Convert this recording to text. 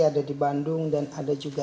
ada di bandung dan ada juga